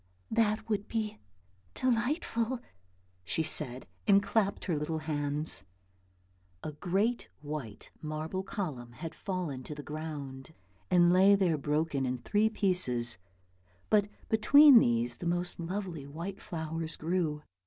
" That would be delightful," she said, and clapped her little hands. A great white marble column had fallen to the ground and lay there broken in three pieces, but between these the most lovely white flowers grew.